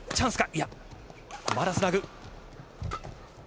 いや、まだつなぐ。